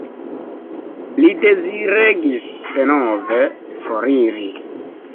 Li deziregis denove foriri.